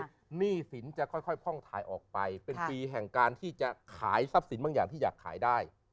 หนี้สินจะค่อยพ่องถ่ายออกไปเป็นปีแห่งการที่จะขายทรัพย์สินบางอย่างที่อยากขายได้